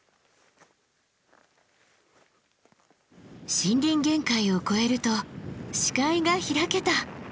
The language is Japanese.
森林限界を越えると視界が開けた。